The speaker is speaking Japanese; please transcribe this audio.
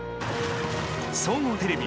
総合テレビ